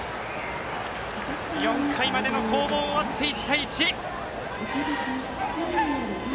４回までの攻防終わって１対１。